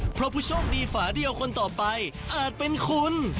เพราะผู้โชคดีฝาเดียวคนต่อไปอาจเป็นคุณ